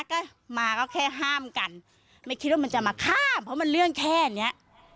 ก็มาก็แค่ห้ามกันไม่คิดว่ามันจะมาข้ามเพราะมันเรื่องแค่เนี้ย